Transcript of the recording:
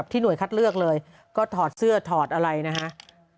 หน่วยคัดเลือกเลยก็ถอดเสื้อถอดอะไรนะฮะ